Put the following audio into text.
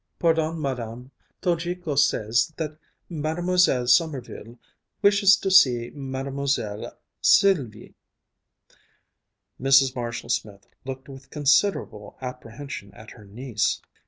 "Pardon, Madame, Tojiko says that Mlle. Sommerville wishes to see Mlle. Sylvie." Mrs. Marshall Smith looked with considerable apprehension at her niece.